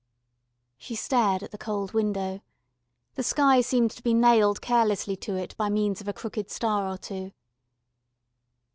She stared at the cold window. The sky seemed to be nailed carelessly to it by means of a crooked star or two.